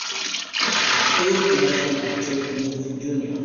Ellos conocen a Chuck Mitchell Jr.